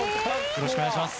よろしくお願いします。